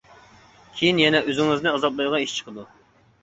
كىيىن يەنە ئۆزىڭىزنى ئازابلايدىغان ئىش چىقىدۇ.